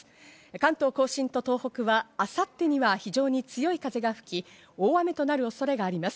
関東甲信、東北は明後日には非常に強い風が吹き、大雨となる恐れがあります。